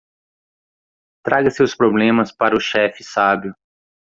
Traga seus problemas para o chefe sábio.